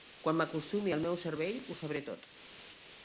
Quan m'acostumi al meu cervell, ho sabré tot.